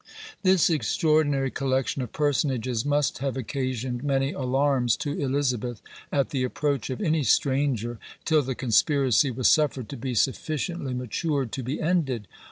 This extraordinary collection of personages must have occasioned many alarms to Elizabeth, at the approach of any stranger, till the conspiracy was suffered to be sufficiently matured to be ended.